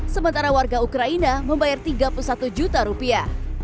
sementara warga ukraina membayar tiga puluh satu juta rupiah